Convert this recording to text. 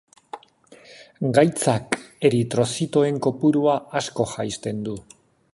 Gaitzak eritrozitoen kopurua asko jaisten du.